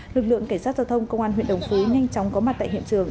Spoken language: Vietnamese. lực lượng cảnh sát giao thông công an huyện đồng phú nhanh chóng có mặt tại hiện trường